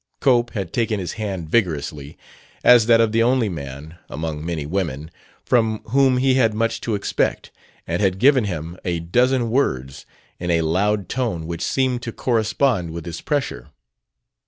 Cope had taken his hand vigorously, as that of the only man (among many women) from whom he had much to expect, and had given him a dozen words in a loud tone which seemed to correspond with his pressure.